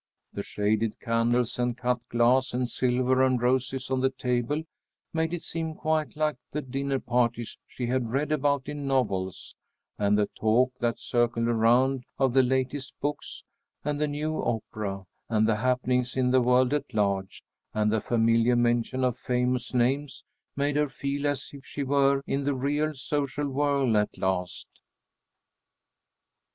The shaded candles and cut glass and silver and roses on the table made it seem quite like the dinner parties she had read about in novels, and the talk that circled around of the latest books and the new opera, and the happenings in the world at large, and the familiar mention of famous names, made her feel as if she were in the real social whirl at last.